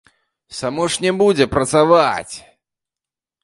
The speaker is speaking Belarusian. Само ж не будзе працаваць!